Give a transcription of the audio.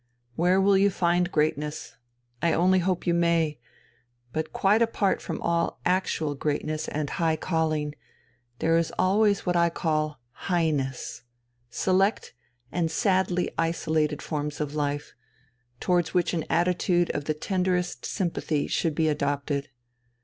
Where will you find greatness? I only hope you may! But quite apart from all actual greatness and high calling, there is always what I call Highness, select and sadly isolated forms of life, towards which an attitude of the tenderest sympathy should be adopted.